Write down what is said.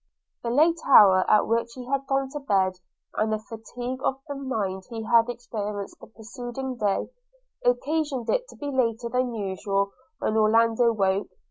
The late hour at which he had gone to bed, and the fatigue of mind he had experienced the preceding day, occasioned it to be later than usual when Orlando awoke.